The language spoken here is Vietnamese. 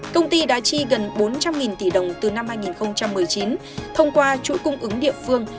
công ty đã chi gần bốn trăm linh tỷ đồng từ năm hai nghìn một mươi chín thông qua chuỗi cung ứng địa phương